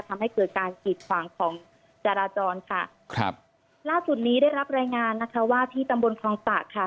ทำให้เกิดการกีดขวางของจราจรค่ะครับล่าสุดนี้ได้รับรายงานนะคะว่าที่ตำบลคลองตะค่ะ